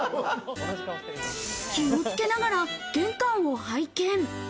気をつけながら玄関を拝見。